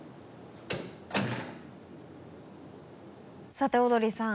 さてオードリーさん。